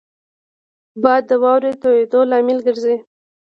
باد د واورې تویېدو لامل ګرځي